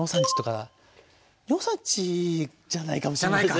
尿酸値じゃないかもしんないですね。